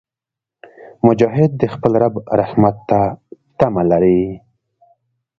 مجاهد د خپل رب رحمت ته تمه لري.